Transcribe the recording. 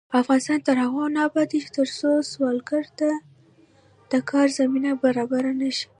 افغانستان تر هغو نه ابادیږي، ترڅو سوالګر ته د کار زمینه برابره نشي.